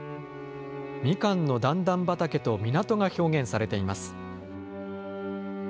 ミカンの段々畑と港が表現されています。